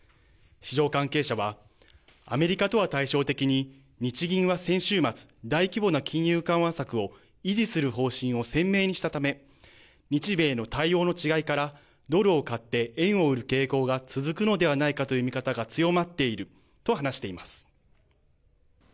市場関係者は、アメリカとは対照的に日銀は先週末、大規模な金融緩和策を維持する方針を鮮明にしたため日米の対応の違いからドルを買って円を売る傾向が続くのではないかという見方が強まっていると話しています。